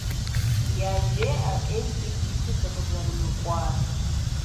ЯжеӀэ Ӏей дигу илъу дыкъызэрымыкӀуар.